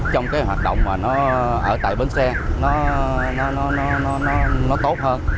trong cái hoạt động mà nó ở tại bến xe nó tốt hơn